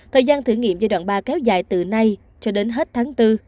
thời gian thử nghiệm giai đoạn ba kéo dài từ nay cho đến hết tháng bốn